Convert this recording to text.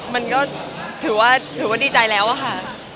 มันก็ถือว่าถือว่าดีใจแล้วอะค่ะ